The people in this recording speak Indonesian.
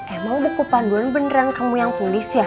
emang buku panduan beneran kamu yang tulis ya